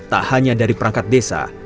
tak hanya dari perangkat desa